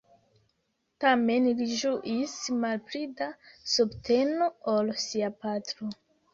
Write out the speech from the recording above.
Tamen li ĝuis malpli da subteno ol sia patro.